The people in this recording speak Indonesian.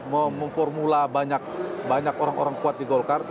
memformula banyak orang orang kuat di golkar